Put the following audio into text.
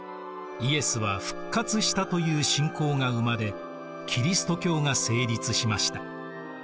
「イエスは復活した」という信仰が生まれキリスト教が成立しました。